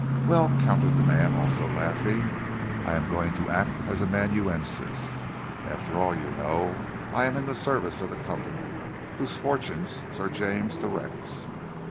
"Well," countered the man also laughing, "I am to act as amanuensis. And after all you know I am in the service of the Company, whose fortunes Sir James directs."